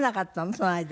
その間。